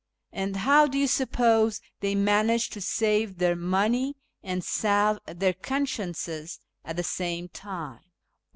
And how do you suppose they manage to save their money and salve their consciences at the same time